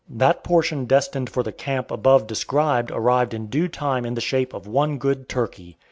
That portion destined for the camp above described arrived in due time in the shape of one good turkey.